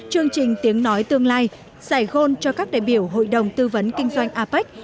chương trình tiếng nói tương lai giải gôn cho các đại biểu hội đồng tư vấn kinh doanh apec